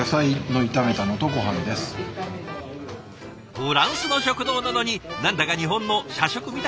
フランスの食堂なのに何だか日本の社食みたいなメニュー。